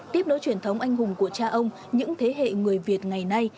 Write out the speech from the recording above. tiếp nối truyền thống anh hùng của cha ông những thế hệ người việt ngày nay